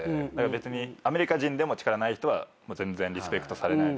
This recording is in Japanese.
別にアメリカ人でも力ない人は全然リスペクトされないですし。